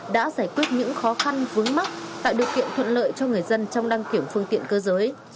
đã giải quyết những khó khăn vướng mắt tạo điều kiện thuận lợi cho người dân trong đăng kiểm phương tiện cơ giới